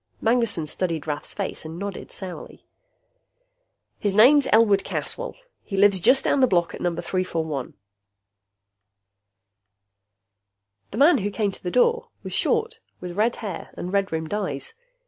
Magnessen studied Rath's face and nodded sourly. "His name's Elwood Caswell. He lives just down the block at number 341." The man who came to the door was short, with red hair and red rimmed eyes.